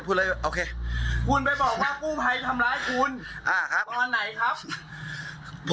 คุณเลยโอเคคุณไปบอกว่ากู้ภัยทำร้ายคุณอ่าครับตอนไหนครับ